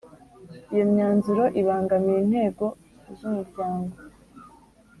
iyo myanzuro ibangamiye intego z’ umuryango